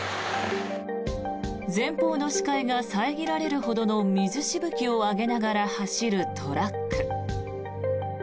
前方の視界が遮られるほどの水しぶきを上げながら走るトラック。